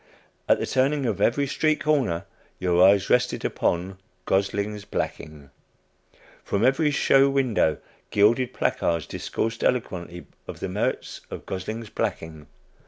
At the turning of every street corner your eyes rested upon "Gosling's Blacking." From every show window gilded placards discoursed eloquently of the merits of "Gosling's Blacking."